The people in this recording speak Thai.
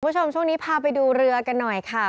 คุณผู้ชมช่วงนี้พาไปดูเรือกันหน่อยค่ะ